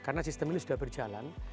karena sistem ini sudah berjalan